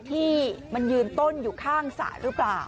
ที่มันยืนต้นอยู่ข้างสระหรือเปล่า